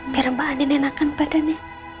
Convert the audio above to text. biar mbak andien enakan badannya